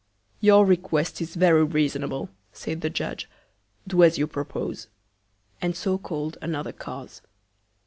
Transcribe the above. Your Request is very reasonable, said the Judge. Do as you propose; and so call'd another Cause.